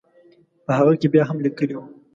په هغه کې بیا هم لیکلي وو.